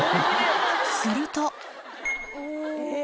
すると。